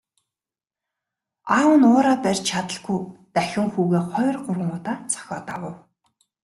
Аав нь уураа барьж чадалгүй дахин хүүгээ хоёр гурван удаа цохиод авав.